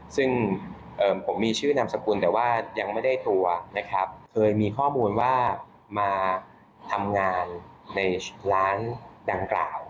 ซึ่งผมมีชื่อนามสกุลแต่ว่ายังไม่ได้ตัวนะครับเคยมีข้อมูลว่ามาทำงานในร้านดังกล่าว